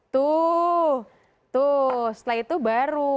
tuh setelah itu baru